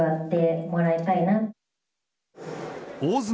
大相撲